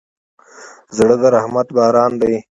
زړه د رحمت باران دی.